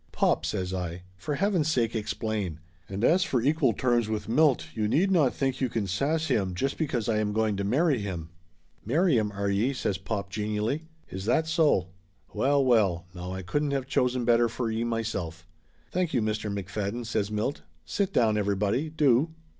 "Pop!" says I. "For heaven's sake, explain. And as for equal terms with Milt, you need not think you can sass him just because I am going to marry him!" "Marry him, are ye?" says pop genially. "Is that 340 Laughter Limited so ? Well, well, now I couldn't have chosen better for ye myself!" "Thank you, Mr. McFadden !" says Milt. "Sit down everybody, do